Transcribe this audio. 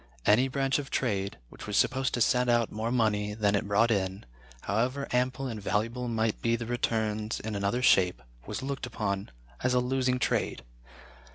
Any branch of trade which was supposed to send out more money than it brought in, however ample and valuable might be the returns in another shape, was looked upon as a losing trade.